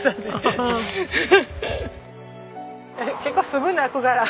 結構すぐ泣くから。